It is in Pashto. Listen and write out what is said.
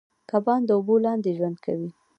کبان د اوبو لاندې ژوند کوي